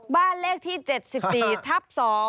บ้านเลขที่๗๔ทับ๒